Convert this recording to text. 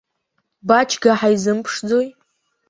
Баџьга ҳаизымԥшӡои?